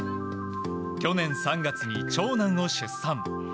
去年３月に長男を出産。